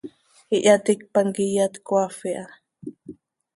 Ihyaticpan quih iyat cöcaafp iha.